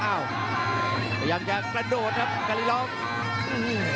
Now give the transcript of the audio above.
อ้าวพยายามจะประโดดครับคลิรองก์